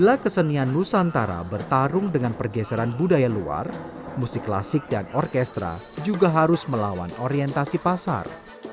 setelah kesenian nusantara bertarung dengan pergeseran budaya luar musik klasik dan orkestra juga harus melawan orientasi pasar